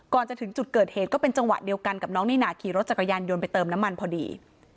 ก่อนจะถึงจุดเกิดเหตุก็เป็นจังหวะเดียวกันกับน้องนี่นาขี่รถจักรยานยนต์ไปเติมน้ำมันพอดี